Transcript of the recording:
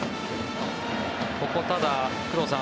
ここ、ただ、工藤さん